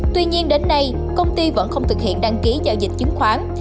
tuy nhiên đến nay công ty vẫn không thực hiện đăng ký giao dịch chứng khoán